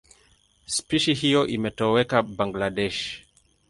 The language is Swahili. Spishi hiyo imetoweka Bangladesh.